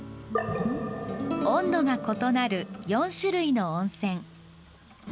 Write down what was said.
温度が異なる４種類の温泉。